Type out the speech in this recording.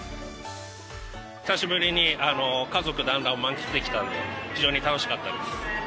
久しぶりに家族だんらんを満喫できたんで、非常に楽しかったです。